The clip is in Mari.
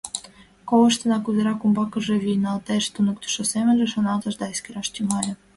«Колыштына, кузерак умбакыже вийналтеш», — туныктышо семынже шоналтыш да эскераш тӱҥале.